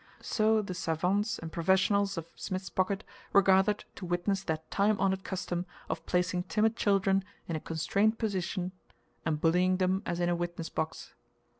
So the savants and professionals of Smith's Pocket were gathered to witness that time honored custom of placing timid children in a constrained positions and bullying them as in a witness box.